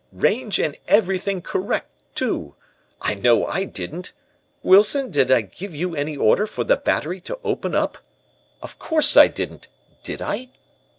Range and everything correct, too. I know I didn't. Wilson, did I give you any order for the Battery to open up? Of course, I didn't, did I?'